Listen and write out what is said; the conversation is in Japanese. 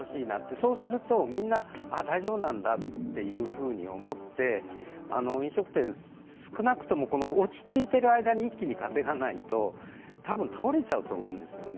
そうすると、みんな、大丈夫なんだと思って飲食店、少なくとも落ち着いている間に一気に稼がないと多分倒れちゃうと思うんですよね。